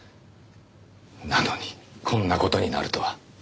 なのにこんな事になるとは。